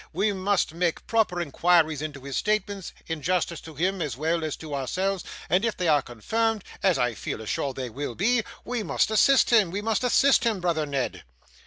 We must make proper inquiries into his statements, in justice to him as well as to ourselves, and if they are confirmed as I feel assured they will be we must assist him, we must assist him, brother Ned.